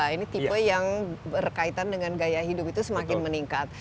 ini tipe yang berkaitan dengan gaya hidup itu semakin meningkat